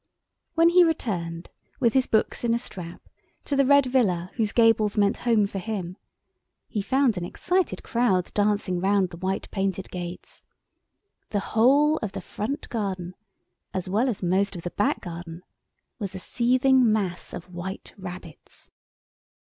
When he returned, with his books in a strap, to the red villa whose gables meant home for him, he found an excited crowd dancing round the white painted gates. The whole of the front garden, as well as most of the back garden, was a seething mass of white rabbits.